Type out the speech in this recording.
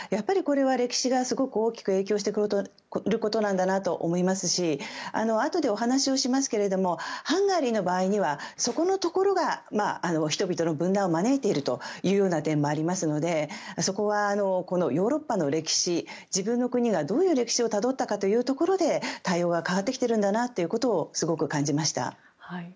これは歴史がすごく大きく影響していることなんだなと思いますしあとでお話をしますがハンガリーの場合にはそこのところが人々の分断を招いているという点もありますのでそこはこのヨーロッパの歴史自分の国がどういう歴史をたどったかというところで対応が変わってきてるんだなとすごく感じました。